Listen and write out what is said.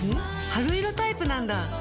春色タイプなんだ。